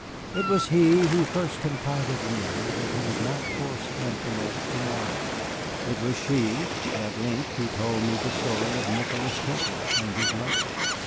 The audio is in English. It was he who first confided in me that he would not force Antoinette to marry; it was she, at length, who told me the story of Nicholas Temple and his mother."